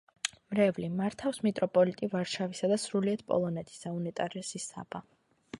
მრევლი, მართავს მიტროპოლიტი ვარშავისა და სრულიად პოლონეთისა, უნეტარესი საბა.